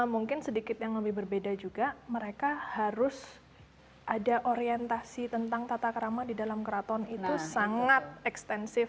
mungkin sedikit yang lebih berbeda juga mereka harus ada orientasi tentang tata kerama di dalam keraton itu sangat ekstensif